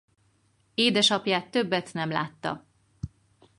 Édesapját többet nem látta.